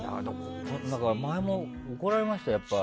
前も怒られましたよ